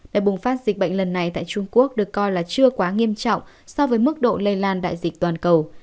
đại bùng phát dịch bệnh lần này tại trung quốc được coi là chưa quá nghiêm trọng so với mức độ lây lan đại dịch toàn cầu